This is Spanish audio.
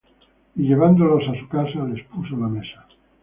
Y llevándolos á su casa, les puso la mesa: